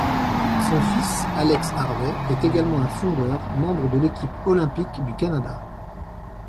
Son fils Alex Harvey est également un fondeur, membre de l'équipe olympique du Canada.